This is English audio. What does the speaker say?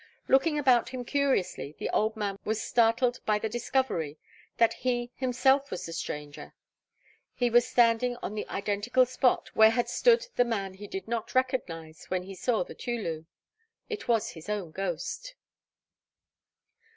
Looking about him curiously, the old man was startled by the discovery that he was himself the stranger! He was standing on the identical spot where had stood the man he did not recognise when he saw the Teulu. It was his own ghost.